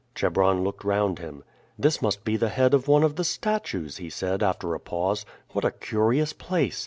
Chebron looked round him. "This must be the head of one of the statues," he said after a pause. "What a curious place!